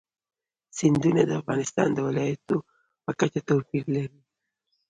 سیندونه د افغانستان د ولایاتو په کچه توپیر لري.